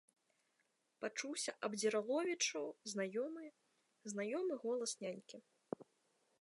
— пачуўся Абдзіраловічу знаёмы, знаёмы голас нянькі.